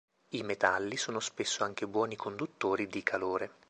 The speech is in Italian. I metalli sono spesso anche buoni conduttori di calore.